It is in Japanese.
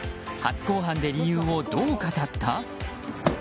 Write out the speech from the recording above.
初公判で理由をどう語った？